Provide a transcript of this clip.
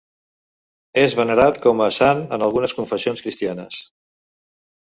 És venerat com a sant en algunes confessions cristianes.